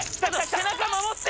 背中守って！